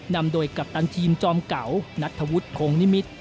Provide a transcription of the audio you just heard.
นำโดยกัปตันทีมจอมเก่านัทธวุฒิโคงนิมิตร